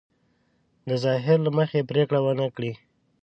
د ظاهر له مخې پرېکړه ونه کړي.